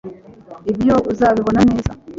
ibyo uzabibona neza